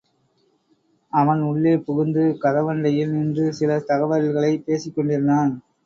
அவன் உள்ளே புகுந்து, கதவண்டையில் நின்று சில தகவல்களைப் பேசிக் கொண்டிருந்தான்.